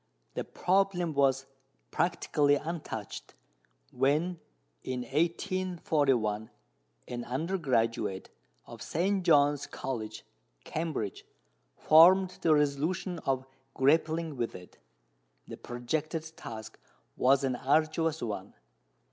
The problem was practically untouched when, in 1841, an undergraduate of St. John's College, Cambridge, formed the resolution of grappling with it. The projected task was an arduous one.